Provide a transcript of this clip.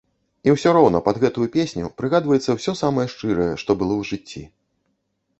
І ўсё роўна пад гэтую песню прыгадваецца ўсё самае шчырае, што было ў жыцці.